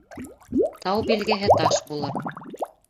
Тау билгеһе таш булыр.